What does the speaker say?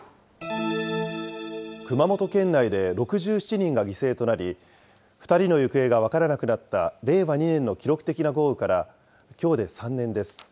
熊本県内で６７人が犠牲となり、２人の行方が分からなくなった令和２年の記録的な豪雨から、きょうで３年です。